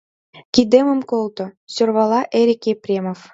Кидемым колто, — сӧрвала Эрик Епремов.